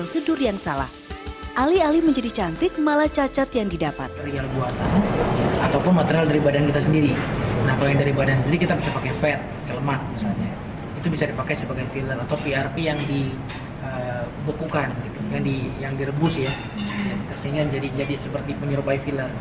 sehingga jadi seperti penyerupai filler